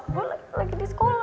gue lagi di sekolah